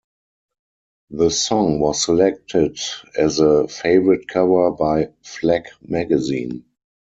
The song was selected as a favourite cover by Flak Magazine.